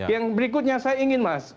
yang berikutnya saya ingin mas